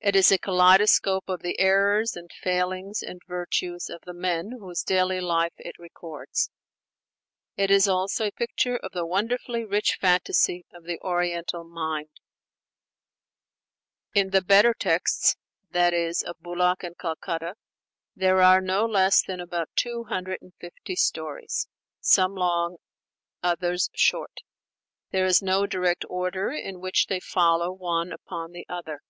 It is a kaleidoscope of the errors and failings and virtues of the men whose daily life it records; it is also a picture of the wonderfully rich fantasy of the Oriental mind. In the better texts (i.e., of Boulak and Calcutta) there are no less than about two hundred and fifty stories; some long, others short. There is no direct order in which they follow one upon the other.